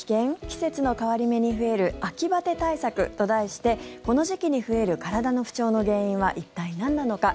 季節の変わり目に増える秋バテ対策と題してこの時期に増える体の不調の原因は一体なんなのか。